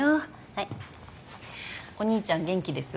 はいお兄ちゃん元気です？